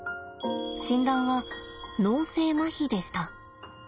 診断は脳性まひでした。